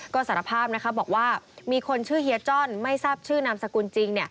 ก็สารภาพบอกว่ามีคนชื่อเฮียจ้อนไม่ทราบชื่อนามสกุลจริง